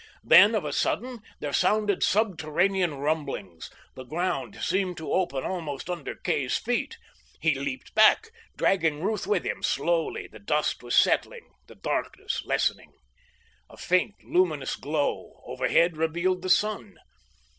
Then of a sudden there sounded subterranean rumblings. The ground seemed to open almost under Kay's feet. He leaped back, dragging Ruth with him. Slowly the dust was settling, the darkness lessening. A faint, luminous glow overhead revealed the sun.